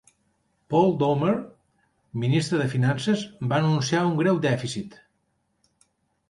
Paul Doumer, ministre de Finances, va anunciar un greu dèficit.